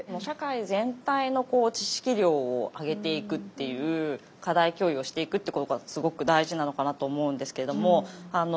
社会全体の知識量を上げていくっていう課題共有をしていくってことがすごく大事なのかなと思うんですけれども。